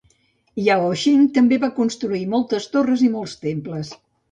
Yao Xing també va construir moltes torres i molts temples.